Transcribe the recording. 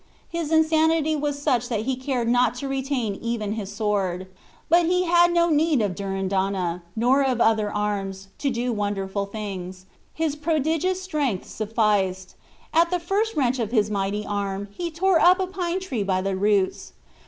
His insanity was such that he cared not to retain even his sword. But he had no need of Durindana, nor of other arms, to do wonderful things. His prodigious strength sufficed. At the first wrench of his mighty arm he tore up a pine tree by the roots.